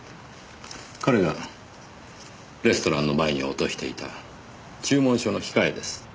彼がレストランの前に落としていた注文書の控えです。